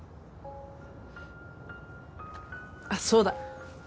あっそうだ。